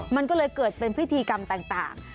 มันก็เลยเกิดเป็นพิธีกรรมต่าง